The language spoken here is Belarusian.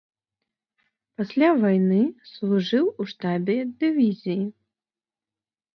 Пасля вайны служыў у штабе дывізіі.